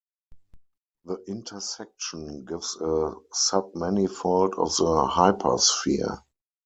The intersection gives a submanifold of the hypersphere.